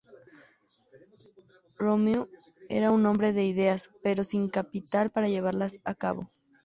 Romeu era hombre de ideas, pero sin capital para llevarlas a cabo.